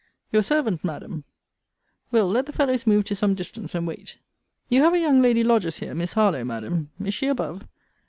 Your servant, Madam Will. let the fellows move to some distance, and wait. You have a young lady lodges here; Miss Harlowe, Madam: Is she above?